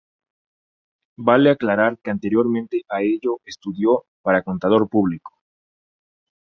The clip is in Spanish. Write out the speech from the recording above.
Vale aclarar que anteriormente a ello estudió para contador público.